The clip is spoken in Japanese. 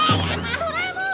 ドラえもん！